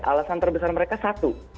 alasan terbesar mereka satu